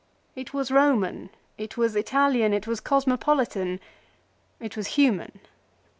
It was Koman ; it was Italian ; it was cosmopolitan ; it was human.